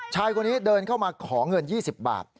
ชายคนนี้เดินเข้ามาขอเงิน๒๐บาท